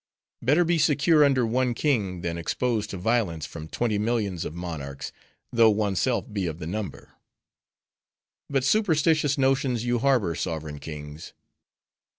Better be secure under one king, than exposed to violence from twenty millions of monarchs, though oneself be of the number. "But superstitious notions you harbor, sovereign kings!